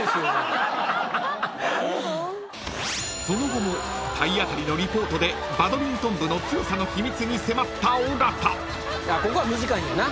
［その後も体当たりのリポートでバドミントン部の強さの秘密に迫った尾形］